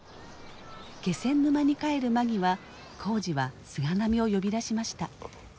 気仙沼に帰る間際耕治は菅波を呼び出しました。